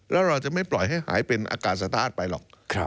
แล้วเราจะไม่ปล่อยให้หายเป็นอาการสะท้าไปหรอก